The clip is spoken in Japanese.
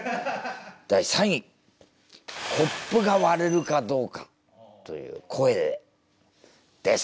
コップが割れるかどうかという声でです。